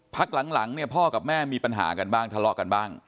พักหลังเนี่ยพ่อกับแม่มีปัญหากันบ้างทะเลาะกันบ้าง